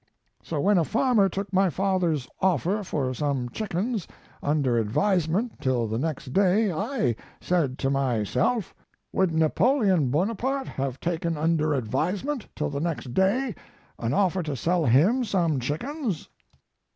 So when a farmer took my father's offer for some chickens under advisement till the next day I said to myself, "Would Napoleon Bonaparte have taken under advisement till the next day an offer to sell him some chickens?"